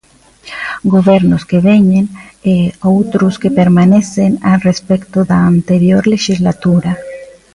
Gobernos que veñen e outros que permanecen a respecto da anterior lexislatura.